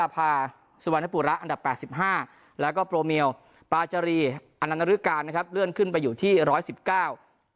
โปรเมลปาจารีอันนรึกานะครับเลื่อนขึ้นไปอยู่ที่ร้อยสิบเก้า